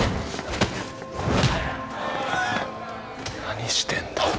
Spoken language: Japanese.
何してんだよ。